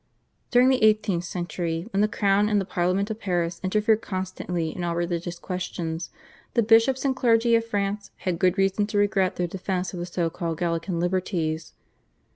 During the eighteenth century, when the crown and the Parliament of Paris interfered constantly in all religious questions, the bishops and clergy of France had good reason to regret their defence of the so called Gallican Liberties.